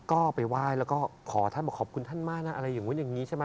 ก็ไปไหว้แล้วก็ขอท่านบอกขอบคุณท่านมากนะอะไรอย่างนู้นอย่างนี้ใช่ไหม